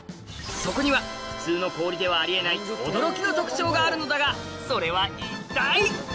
そこには普通の氷ではあり得ない驚きの特徴があるのだがそれは一体？